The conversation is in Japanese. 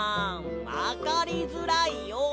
わかりづらいよ。